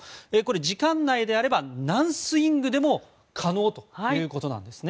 時間内であれば何スイングでも可能ということなんですね。